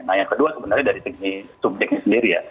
nah yang kedua sebenarnya dari segi subjeknya sendiri ya